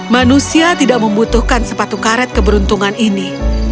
manusia tidak membutuhkan sepatu karet keberuntungan ini